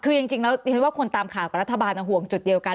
คือจริงแล้วดิฉันว่าคนตามข่าวกับรัฐบาลห่วงจุดเดียวกัน